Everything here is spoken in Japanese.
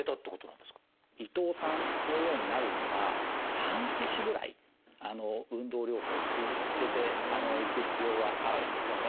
伊藤さんのようになるには半年ぐらい運動療法を続けていく必要があるんですよね。